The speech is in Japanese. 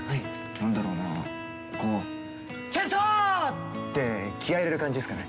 なんだろうなぁこうチェストー！って気合いを入れる感じっすかね。